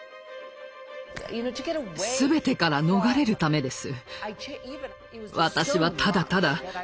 全てから逃れるためです。